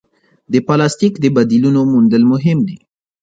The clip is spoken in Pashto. د پلاسټیک د بدیلونو موندل مهم دي.